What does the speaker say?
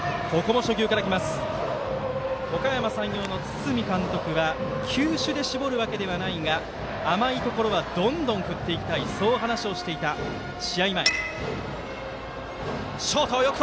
おかやま山陽の堤監督は球種で絞るわけではないが甘いところはどんどん振っていきたいと話をしていた試合前。